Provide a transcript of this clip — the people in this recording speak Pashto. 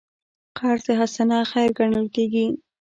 قرض حسنه خیر ګڼل کېږي.